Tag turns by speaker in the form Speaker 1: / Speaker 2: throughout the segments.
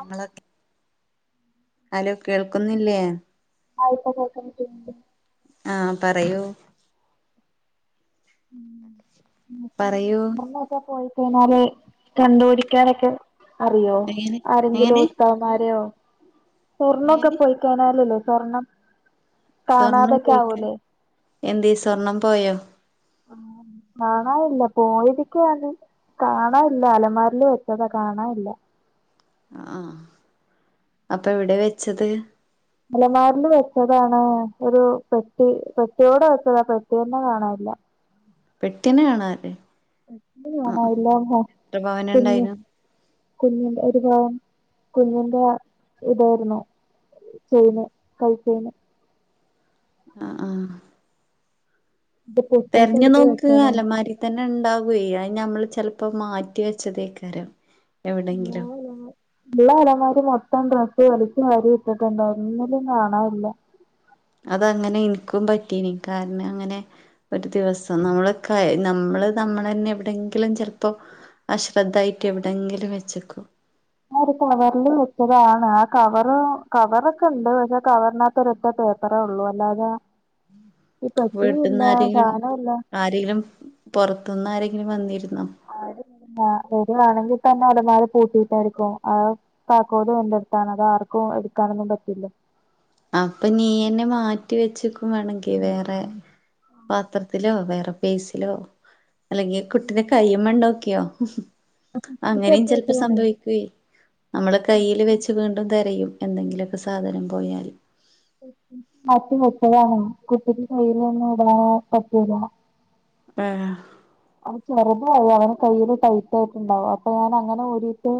Speaker 1: ങ്ങളക്കെ hello കേൾക്കുന്നില്ലേ?
Speaker 2: ആഹ് യിപ്പ കേക്കണ്ണ്ട്
Speaker 1: ആഹ് പറയൂ പറയൂ
Speaker 2: നമ്മ ഇപ്പ പോയി കഴഞ്ഞാല് കണ്ടുപിടിക്കാനൊക്കെ അറിയോ
Speaker 1: എങ്ങനെ
Speaker 2: ആരെങ്കിലും
Speaker 1: എങ്ങനെ
Speaker 2: ഉസ്താദ്മാരെയോ സ്വർണ്ണൊക്ക
Speaker 1: എങ്ങനെ
Speaker 2: പോയി [unintelligible] സ്വർണം
Speaker 1: സ്വർണം
Speaker 2: കാണാതൊക്കെ
Speaker 1: പോയിക്ക
Speaker 2: ആവൂല്ലേ
Speaker 1: എന്തേ സ്വർണം പോയോ?
Speaker 2: കാണാനില്ല പോയതിക്കുവാങ്ങ് കാണാൻല്ല അലമാരില് വെച്ചതാ കാണാൻല്ല
Speaker 1: ആഹ് അപ്പൊ എവിടെ വെച്ചത്
Speaker 2: അലമാരില് വെച്ചതാണ് ഒരു പെട്ടി പെട്ടിയോടെ വെച്ചതാ പെട്ടിന്നെ കാണാൻല്ല
Speaker 1: പെട്ടിന്നെ കാണാല്ലേ ആഹ്
Speaker 2: [unintelligible]
Speaker 1: ആഹ് എത്ര പവന്
Speaker 2: കുഞ്ഞ്
Speaker 1: ഉണ്ടായിനു
Speaker 2: കുഞ്ഞിന്റെ ഒരു പവൻ കുഞ്ഞിൻറെ അ ഇതായി ര്ന്നു ചെയ്ന് കൈചെയ്ൻ
Speaker 1: അ ആഹ്
Speaker 2: ഇത് പൊട്ടിയിട്ട്
Speaker 1: തെരഞ്ഞു
Speaker 2: എടുത്ത്
Speaker 1: നോക്ക്‌
Speaker 2: വെച്ചതാ
Speaker 1: അലമാരി തന്നെ ഉണ്ടാവെ അത് നമ്മള് ചെലപ്പോ മാറ്റി വെച്ചതേക്കാരം എവിടെങ്കിലും
Speaker 2: ഉള്ള അലമാര് മൊത്തം ഡ്രസ്സ് വലിച്ച് വാരി ഇട്ടിട്ടുണ്ട് ഒന്നിലും കാണാനില്ല
Speaker 1: അതങ്ങനെ ഇൻക്കും പറ്റീനി കാരണം അങ്ങനെ ഒരു ദിവസം നമ്മള കൈ നമ്മള് നമ്മൾ തന്നെ എവിടെങ്കിലും ചെലപ്പോ അശ്രദ്ധായിട്ട് എവിടെയെങ്കിലും വെച്ചക്കും
Speaker 2: ഞാൻ ഒരു കവറിൽ വെച്ചതാണ് ആ കവർ കവറൊക്കെ ഉണ്ട് പക്ഷെ കവറിനകത്ത് കത്ത് ഒരൊറ്റ പേപ്പറേ ഉള്ളൂ അല്ലാതെ ഈ പെട്ടിയും ഇല്ല സാധനംല്ല
Speaker 1: ആരെലും പുറത്തുനിന്ന് ആരെങ്കിലും വന്നിരുന്നോ
Speaker 2: അ വരുവാണെങ്കിൽ തന്നെ അലമാര പൂട്ടിട്ടായിരിക്കും ആ താക്കോലും എന്റെടുത്താണ് അത് ആർക്കും എടുക്കാനൊന്നും പറ്റില്ല.
Speaker 1: അപ്പൊ നീ എന്നെ മാറ്റി വെച്ചക്കും വേണെങ്കി വേറെ പാത്രത്തിലോ വേറെ പേഴ്സിലോ അല്ലെങ്കിൽ കുട്ടിയുടെ കയ്യുമ്മെ ഉണ്ടോക്കിയോ അങ്ങനെയും ചെലപ്പോ സംഭവിക്കേ നമ്മള് കയ്യിൽ വെച്ച് വീണ്ടും തിരയും എന്തെങ്കിലൊക്കെ സാധനം പോയാൽ
Speaker 2: മാറ്റിവെച്ചതാണ് കുട്ടിക്ക് കയ്ൽ ഒന്നും ഇടാൻ പറ്റൂല
Speaker 1: ആഹ
Speaker 2: അവന് ചെറുതായി അവന് കയ്യിൽ ടൈറ്റ് ആയിട്ട്ണ്ടാവും അപ്പൊ ഞൻ അങ്ങനെ ഊരിയിട്ട്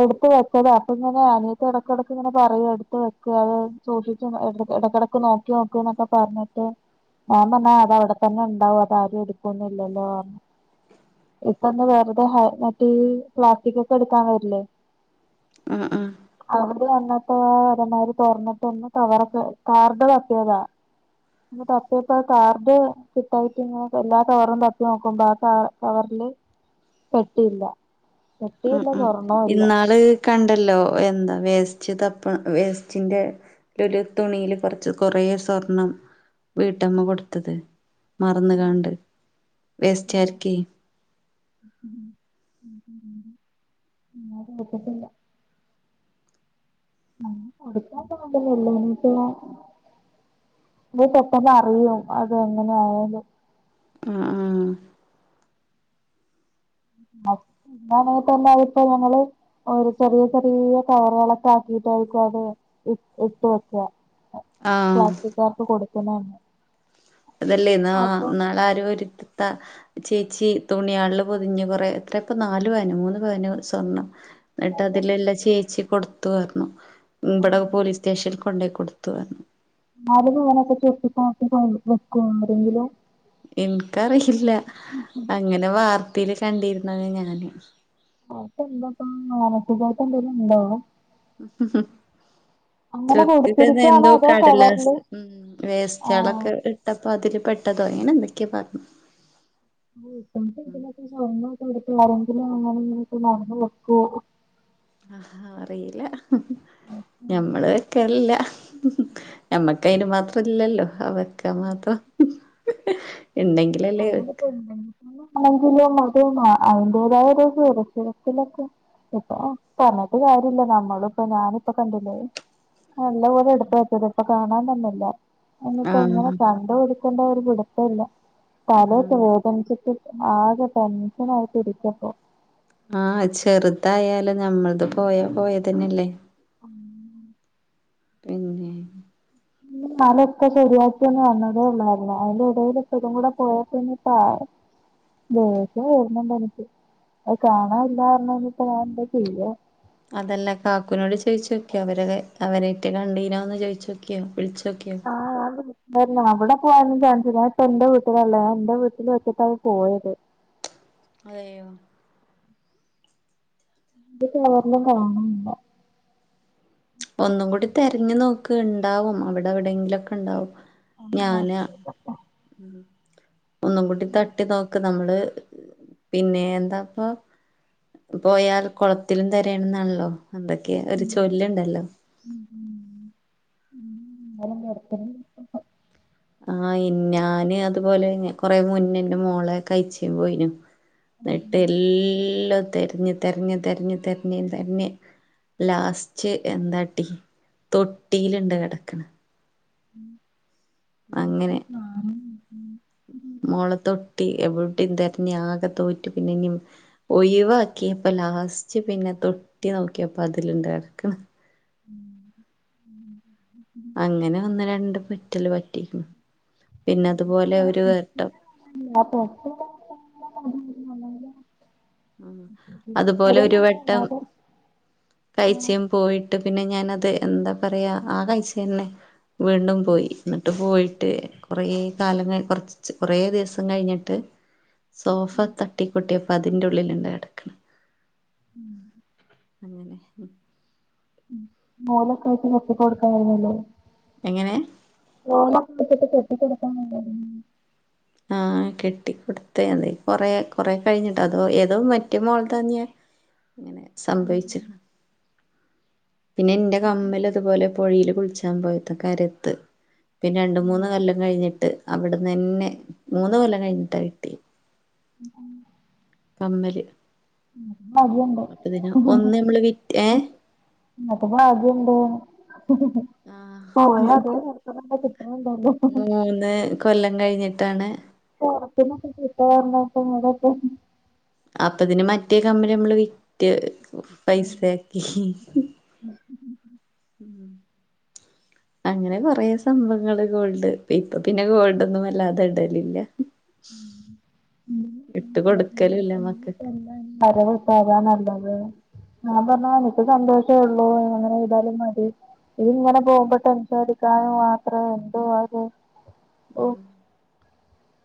Speaker 2: എടുത്ത വെച്ചത അപ്പൊ ഇങ്ങനെ അനിയത്തി ഇടക്കിടക്ക് ഇങ്ങനെ പറയും എടുത്ത് വെക്ക്‌ അത് സൂക്ഷിച്ചു ഇട ഇടക്കിടക്ക് നോക്കി നോക്ക്‌ എന്നൊക്കെ പറഞ്ഞിട്ട് ഞാൻ പറഞ്ഞു അത അവിടെ തന്നെ ഉണ്ടാവും അതാരും എടുക്കൊന്നും ഇല്ലല്ലോന്ന് ഇപ്പൊന്ന് വെറുതെ ഹ മറ്റെ ഈ പ്ലാസ്റ്റിക് ഒക്കെ എടുക്കാൻ വരില്ലേ
Speaker 1: ഉം ഉം
Speaker 2: അവര് വന്നിട്ട ആ അലമാര് തറന്നിട്ട് ഒന്ന് കവറക്കെ കാർഡ് തപ്പിയതാ തപ്പിയപ്പോ കാർഡ് കിട്ടായിട്ട് ഇങ്ങനെ എല്ലാ കവറും തപ്പി നോക്കുമ്പോ ആ കവറില് പെട്ടിയില്ല
Speaker 1: ഉം
Speaker 2: പെട്ടിയില്ല
Speaker 1: ഉം
Speaker 2: സ്വർണ്ണവും ഇല്ല
Speaker 1: ഇന്നാള് കണ്ടല്ലോ എന്താ വേസ്റ്റ് തപ്പ വേസ്റ്റിന്റെ ഒരു തുണിയിൽ കുറച്ച് കുറേ സ്വർണം വീട്ടമ്മ കൊടുത്തത് മറന്ന് കാണ്ട് വേസ്റ്റാര്ക്കെ
Speaker 2: ഞാൻ കേട്ടിട്ടില്ല അങ്ങനെ കൊടുക്കാൻ സാധ്യതയില്ല എന്ന് വെച്ചാ പെട്ടെന്ന് അറിയും അത് എങ്ങനെ ആയാലും
Speaker 1: ഉം ഉം
Speaker 2: [unintelligible] ഒരു ചെറിയ ചെറിയ കവർകളൊക്കെ ആക്കിട്ടായിരിക്കും അത് ഇ ഇട്ട് വെക്കുക
Speaker 1: ആഹ്
Speaker 2: പ്ലാസ്റ്റിക്കുകാർക്ക് കൊടുക്കണ തന്നെ
Speaker 1: അതല്ലേ എന്നാ ന്നാൾ ആരൊര് ത്ത ചേച്ചി തുണിയാളള് പൊതിഞ്ഞ് കൊറേ എത്രപ്പം നാലു പവാനോ മൂന്ന് പവനോ സ്വർണ്ണം എന്നിട്ട് അതിൽള്ള ചേച്ചി കൊടുത്തു പറഞ്ഞു ഇബടെ പോലീസ് സ്റ്റേഷനിൽ കൊണ്ടുപോയി കൊടുത്തു പറഞ്ഞു
Speaker 2: ആരെങ്കിലും ഇങ്ങനൊക്കെ ചുരുട്ടിനിക്കനോട്ത് വെക്കോ ആരെങ്കിലും
Speaker 1: ഇൻക്കറിയില്ല ഇങ്ങനെ വാർത്തേൽ കണ്ടിരുന്നുന്നത് ഞാന്
Speaker 2: [unintelligible] അങ്ങനെ
Speaker 1: ചുരുട്ടിട്ടത്
Speaker 2: കൊടുത്തിരിക്കുവാണോ
Speaker 1: എന്തോ
Speaker 2: അതോ കവറില്
Speaker 1: കടലാസ് ഉം
Speaker 2: ആഹ്
Speaker 1: വേസ്റ്റളൊക്കെ ഇതപ്പോ അതില് പെട്ടതോ അങ്ങനെ എന്തൊക്കെയൊ പറഞ്ഞ്
Speaker 2: [unintelligible]
Speaker 1: ആഹ് ആഹ് അറിയില്ല ഞമ്മള് വെക്കെലില്ല ഞമ്മക്ക് അയ്ന് മാത്രംല്ലല്ലോ അവെക്ക
Speaker 2: അത്
Speaker 1: മാത്രം ഹ് ഹ് ഉണ്ടെങ്കിലല്ലേ
Speaker 2: [unintelligible] ഇപ്പൊ പറഞ്ഞിട്ട് കാര്യല്ല നമ്മളും ഇപ്പ ഞാനിപ്പ കണ്ടില്ലേ നല്ലപോലെ എടുപ്പ വച്ചത് ഇപ്പ കാണാൻ തന്നെ ഇല്ല. എന്നിപ്പോ ഇങ്ങനെ
Speaker 1: ആഹ്
Speaker 2: കണ്ടുപിടുക്കൊണ്ടോ ഒരു പിടുത്തോല്ല തലയൊക്കെ
Speaker 1: ആഹ്
Speaker 2: വേദനിച്ചിട്ട് ആകെ ടെൻഷനായിട്ട് ഇരിക്കപ്പോ
Speaker 1: ആഹ് ചെറ്തായാലും ഞമ്മൾത് പോയാ പോയതന്നെല്ലേ
Speaker 2: ഉംഹ്
Speaker 1: പിന്നെ
Speaker 2: ഉം ഇന്നാലൊക്കെ ശരിയാക്കിയൊന്നു വന്നതേ ഒള്ളു അയ്ന്. അയ്ന്റെ എടേല് ഇപ്പോ ഇതുംകൂടെ പോയപ്പിന്നെ ഇപ്പ ആര് ദേഷ്യം വരുന്നുണ്ട് എനിക്ക്. അത് കാണാൻല്ലാറ്ന്നാണ്ട് ഇപ്പ ഞാനെന്താ ചെയ്യ
Speaker 1: അതല്ല കാക്കൂനോട് ചോയിച്ചൊക്ക്യ അവര അത്. അവരെറ്റ കണ്ടീനോന്ന് ചോയ്‌ച്ചോക്ക്യോ വിള്ച്ചോക്ക്യോ
Speaker 2: ആഹ് [unintelligible] വരല്ലാ അവടെ പോയാനൊന്നും ചാൻസില്ല. ഞാ ഇപ്പ ഇന്റെ വീട്ടിലാ ഇള്ളേ ഞാൻ ഇന്റെ വീട്ടില് ഒറ്റക്കാ [unintelligible] പോയത്
Speaker 1: അതെയോഹ്
Speaker 2: ഇത് പർന്ന കാണ് ഇണ്ടോ [unintelligible]
Speaker 1: ഒന്നും കൂടി തെരഞ്ഞു നോക്ക്. ഇണ്ടാവും അവിടെവിടെയെങ്കിലൊക്കെ ഇണ്ടാവും.
Speaker 2: ആ
Speaker 1: ഞാന ഉം ഒന്നുംകൂട്ടി തട്ടി നോക്ക് നമ്മള് പിന്നെ എന്താപ്പൊ പോയാല് കൊളത്തിലും തെരയണന്നാണല്ലോ എന്തൊക്കെ ഒരു ചൊല്ല് ഇണ്ടല്ലോ
Speaker 2: ഉം ഉം
Speaker 1: ആഹ് എൻ ഞാന് അതുപോലെ കൊറെ മുന്നെ എൻറെ മോളെ കയ്ച്ചെൻ പോയിന് ഇന്നട്ട് എല്ലോ തെര്ഞ്ഞ് തെര്ഞ്ഞ് തെര്ഞ്ഞ് തെര്ഞ്ഞ് തെര്ഞ്ഞ് ലാസ്റ്റ് എന്താ ട്ടീ തൊട്ടീല്ണ്ട് കെടക്ക്ണ്
Speaker 2: [unintelligible]
Speaker 1: മോൾ തൊട്ടി എവിടിം തെര്ഞ്ഞ് ആകെ തോറ്റ് പിന്നെനി ഒഴിവാക്കി അപ്പ ലാസ്റ്റ് പിന്നെ തൊട്ടി നോക്ക്യേപ്പ അതില്ണ്ട് കെടക്ക്ണ്
Speaker 2: ഉം ഉം ഉം ഉം
Speaker 1: ഇങ്ങനെ ഒന്ന് രണ്ട് പറ്റല് പറ്റിക്ക്ണ്. പിന്നെ അതുപോലെ ഒരു വട്ടം
Speaker 2: [unintelligible]
Speaker 1: ഉം അതുപോലെ ഒരു വട്ടം കയ്ചെയിൻ പോയിട്ട് പിന്നെ ഞാനത് എന്താ പറയാ ആ കയ്ച്ചെന്നെ വീണ്ടും പോയി ഇന്നട്ട് പോയിട്ട് കൊറേ കാലങ്ങ് കൊറ്ച്ച് കൊറേ ദിവസം കഴിഞ്ഞിട്ട് സോഫ തട്ടിക്കൊട്ടിയപ് പ്പതിൻ്റെ ഉള്ളില്ണ്ട് കെടക്ക്ണ്
Speaker 2: ഉംഹ്
Speaker 1: അങ്ങനെഹ് നി
Speaker 2: ഉം നൂലക്കേട്ടി കെട്ടി കൊടുക്കായിരുന്നില്ലേ
Speaker 1: എങ്ങനെ
Speaker 2: നൂലൊക്കെ വെച്ചിട്ട് കെട്ടി കൊടുക്കാരൂന്നില്ലെന്ന്
Speaker 1: ആഹ് കെട്ടിക്കൊടുത്ത് ണ്. അത് കൊറെ കൊറെ കഴിഞ്ഞിട്ട് ഏതോ മറ്റെ മോള് തന്ന്യേ
Speaker 2: [inaudible]
Speaker 1: ഇങ്ങനെ സംഭവിച്ച്ക്ക്ണ്
Speaker 2: കൊടുക്കാനായിരുന്നു
Speaker 1: പിന്നെ ഇന്റെ കമ്മല് ഇതുപോലെ പോഴേൽ കുളിച്ചാൻ പോയത്തെ കരെത്ത് പിന്നെ രണ്ട് മൂന്ന് കൊല്ലം കഴിഞ്ഞിട്ട് അവിടന്നെന്നെ. മൂന്ന് കൊല്ലം കഴിഞ്ഞിട്ടാ കിട്ടിയെ
Speaker 2: ഉം ഉം
Speaker 1: കമ്മല്
Speaker 2: മട്യാണ്
Speaker 1: അപ്പൊ ഇതിന് ഒന്ന് നമ്മള് വിറ്റ് ഏഹേ
Speaker 2: ഇങ്ങക്ക് ഭാഗ്യംണ്ട്ന്ന്
Speaker 1: ആ
Speaker 2: പോയ അതെപോലെ തന്നെ ഇപ്പം കിട്ട്ണ് ഇണ്ടല്ലോ
Speaker 1: മൂന്ന് കൊല്ലം കഴിഞ്ഞിട്ടാണ്
Speaker 2: പൊറത്തിനൊക്കെ കിട്ടാന്ന് പറ്ഞ്ഞാ ഇപ്പം ഇവടൊക്കെ
Speaker 1: അപ്പതിന് മറ്റേ കമ്മൽ നമ്മള് വിറ്റ് പൈസയാക്കി
Speaker 2: മ്
Speaker 1: ഉം
Speaker 2: [inaudible]
Speaker 1: അങ്ങനെ കോറെ സംഭവങ്ങള് ഗോൾഡ് ഇ ഇപ്പൊ പിന്നെ ഗോൾഡോന്നും വല്ലാതെ ഇടലില്ല
Speaker 2: ഉം
Speaker 1: ഇട്ട് കൊടുക്കലുല്ല മക്കക്ക്
Speaker 2: [unintelligible] വരവ് പ്പാ താ നല്ലത് ഞാൻ പറഞ്ഞു എനിക്ക് സന്തോഷേ ഉള്ളൂ അങ്ങനെ ചെയ്താലും മതി ഇത്ങ്ങനെ പോകുമ്പം ടെൻഷൻ അടിക്കാനും മാത്രം എന്തുവാ ഇത്
Speaker 1: ഉം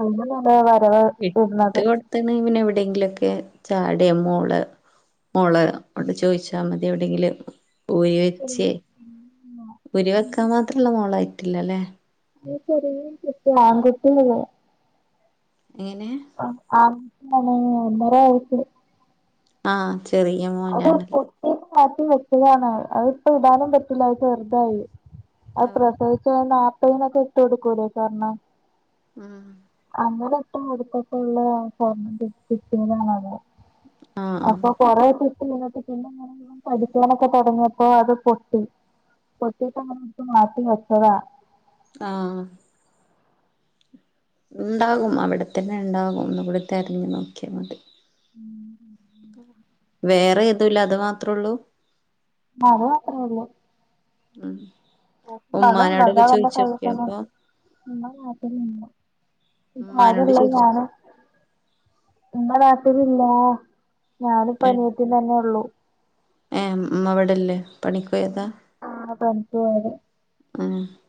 Speaker 2: അ യിമല്ള്ള വരവ നിന്നത്
Speaker 1: ത്തണ പിന്നെ എവിടെയെങ്കിലുക്കെ ചാടേ മോള് മോള് അവിടെ ചോദിച്ചാൽ മതി എവിടെയെങ്കില് ഊരി
Speaker 2: ചെറിയ
Speaker 1: വെച്ചേ ഊരി വെക്കാൻ മാത്രള്ള മോളായിട്ടില്ലല്ലേ
Speaker 2: ചെറിയ കുട്ടി ആൺ കുട്ടി അല്ലെ
Speaker 1: എങ്ങനെ
Speaker 2: ആ ആൺ കുട്ടി ആണ് ഒന്നേര വയസ്സ്
Speaker 1: ആഹ ചെറി
Speaker 2: അത് പൊട്ടിയത് മാറ്റി വെച്ചതാണ് അതിപ്പോ ഇടാനും പറ്റില്ല ചെറുതായി അഹ്
Speaker 1: ആഹ്
Speaker 2: പ്രസവിച്ച നാല്പ്പനെക്കെ ഇട്ട് കൊടുക്കൂലേ സ്വർണം
Speaker 1: ഉം
Speaker 2: അങ്ങനേട്ട് കൊട്ത്തിട്ട്ള്ള സ്വർണം കിട്ടിയതാണത്
Speaker 1: ആഹ് ആഹ്
Speaker 2: അപ്പം കുറേ ഒക്കെ ഇട്ട് കഴിഞ്ഞപ്പോ പിന്നെ ഇങ്ങനെ കടിക്കാനൊക്കെ തുടങ്ങിയപ്പോ അത് പൊട്ടി പൊട്ടിയപ്പോ ഇങ്ങനെ എട്ത്ത് മാറ്റി വെച്ചതാ
Speaker 1: ആഹ ഉണ്ടാകും അവിടെത്തന്നെ ഉണ്ടാകും ഒന്നൂകൂടി തെരഞ്ഞു നോക്കിയാൽ മതി.
Speaker 2: ഉം
Speaker 1: വേറെ ഏതൂല്ല അത് മാത്രേ ഉള്ളൂ?
Speaker 2: അത് മാത്രേള്ളൂ
Speaker 1: ഉം ഉമ്മാനോടൊക്കെ ചോയിച്ചോക്കിയോ അപ്പൊ
Speaker 2: [unintelligible] പാകം
Speaker 1: ഉമ്മാനോട്
Speaker 2: ഇള്ള
Speaker 1: ചോയിച്ചു
Speaker 2: ഞാനും ഇമ്മ നാട്ടിലില്ല ഞാനും ഇപ്പം അനിയതിം തന്നെ ഒള്ളു
Speaker 1: ഏ ഇമ്മ ഇവടെല്ലേ പണിക്കോയതാ?
Speaker 2: ആ പണിക്ക് പോയതാ
Speaker 1: [unintelligible]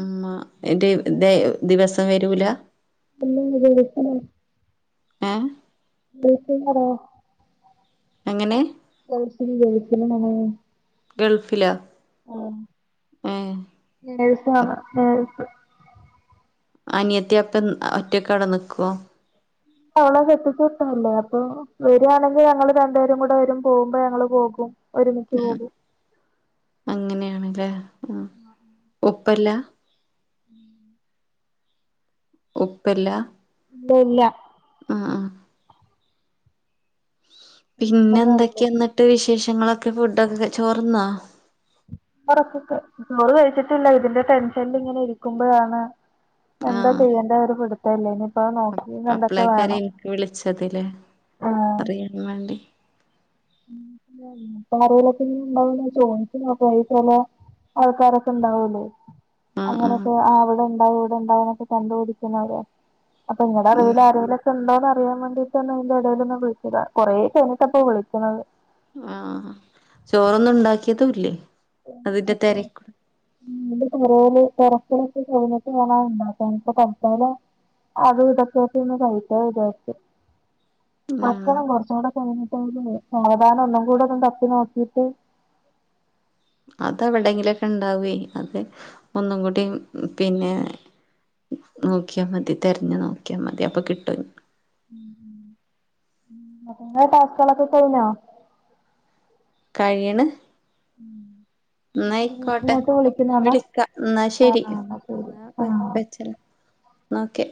Speaker 1: ഉമ്മാ എന്റെ ദെ ദിവസം വരൂല
Speaker 2: [unintelligible] വീട്ടിൽ
Speaker 1: ഏഹ്
Speaker 2: [unintelligible]
Speaker 1: എങ്ങനെ
Speaker 2: [unintelligible]
Speaker 1: ഗൾഫിലോ ഏ
Speaker 2: നേഴ്സ് ആണ് നേഴ്സ്
Speaker 1: അനിയത്തി അപ്പം ഒറ്റക്കവിടെ നിക്കോ?
Speaker 2: അവളെ കെട്ടിച്ചിവിട്ടല്ലേ അപ്പൊ വരൂണെങ്കിൽ ഞങ്ങൾ രണ്ട് പേരും കൂടെ വരും പോകുമ്പോ ഞങ്ങൾ പോകും ഒരുമിച്ച് പോകും.
Speaker 1: അങ്ങനെയാണല്ലേ? ഉം
Speaker 2: ആഹ്
Speaker 1: ഉപ്പല്ല?
Speaker 2: ഉം
Speaker 1: ഉപ്പല്ല
Speaker 2: ദേ ഇല്ല
Speaker 1: ഉംഉം പിന്നെ എന്തൊക്കെയ എന്നിട്ട് വിശേഷങ്ങളൊക്കെ ഫുഡൊക്കെ ചോർന്നോ
Speaker 2: ക്കക്കെ ചോറ് കഴിച്ചിട്ടില്ല ഇതിന്റെ ടെൻഷനിൽ ഇങ്ങനെ ഇരിക്കുമ്പഴാണ് എന്താ
Speaker 1: ആഹ്
Speaker 2: ചെയ്യേണ്ട ഒരു പിടുത്തം ഇല്ലേ ഇനിയിപ്പോ നോക്കിന്ന് എന്തൊക്കെ
Speaker 1: അപ്പളേക്കാരം
Speaker 2: വേണം
Speaker 1: എനിക്ക് വിളിച്ചതില്ലേ
Speaker 2: ആഹ്
Speaker 1: അറിയാൻ വേണ്ടി
Speaker 2: [unintelligible] ചോദിച്ച് [unintelligible] ആൾക്കാരൊക്കെ ഉണ്ടാവല്ലോ
Speaker 1: ആഹ് ആഹ്
Speaker 2: അങ്ങനെയൊക്കെ ആ അവിടെ ഇണ്ടാവും ഇവിടെ ഉണ്ടാവ എന്നൊക്കെ കണ്ടപടിക്കുന്ന അവേ അപ്പൊ നിങ്ങളടെ അറിവിൽ
Speaker 1: ഉം
Speaker 2: ആരേലൊക്കെ ഉണ്ടോന്ന് അറിയാൻ വേണ്ടിട്ട് അതി ഇടയിൽ ഒന്ന് വിളിച്ചാതാ വ കുറെ കയിഞ്ഞട്ട് വിളിച്ചതാ ക്കണത്
Speaker 1: ആഹ് ചോറൊന്നും ഉണ്ടാക്കിയതുംല്ലേ അതിന്റെ തെരെക്കെ
Speaker 2: പേരെല് തെരക്ക് ഓക്കേകഴിഞ്ഞിട്ട് വാണം ഉണ്ടാക്കാൻ ഇപ്പോ തൽകാലം അത് ഇതോക്കെയായിട്ട് കഴിക്കാം ന്ന് വിചാരിച്ച്
Speaker 1: ആഹ്
Speaker 2: തപ്പണം കൊറച്ചു കൂടെ കഴിഞ്ഞിട്ട് സാവധാനം ഒന്നും കൂടെ ഒന്നും തപ്പി നോക്കിട്ട്
Speaker 1: അത് എവിടെങ്കിലുംക്കെ ഉണ്ടാവേ അത് ഒന്നും കൂടി പിന്നെ നോക്കിയാ മതി തെരഞ്ഞു നോക്കിയാ മതി അപ്പൊ കിട്ടു അനക്ക്
Speaker 2: ഉം ഉ ഇങ്ങളെ ടാസ്കളൊക്കെ കഴിഞ്ഞോ
Speaker 1: കയ്യ്ണ് ന്നയിക്കോട്ടെ
Speaker 2: ഇങ്ങോട്ട്
Speaker 1: എന്നാ
Speaker 2: വിളിക്കുന്നതാണോ
Speaker 1: വിളിക്ക എന്നാ
Speaker 2: ആ
Speaker 1: ശരി
Speaker 2: ആ എന്നാ ശരി
Speaker 1: എന്ന
Speaker 2: ആ
Speaker 1: വെച്ചളാ ന്നാ ഒക്കെ